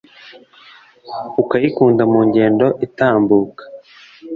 Ukayikunda mu ngendo itambuka